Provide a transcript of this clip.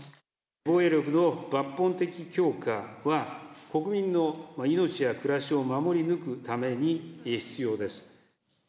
防衛力の抜本的強化は、国民の命や暮らしを守り抜くために必要です。